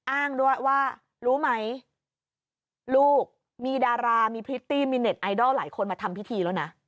อ้างด้วยว่ารู้ไหมลูกมีดารามีพริตตี้มีเน็ตไอดอลหลายคนมาทำพิธีแล้วนะ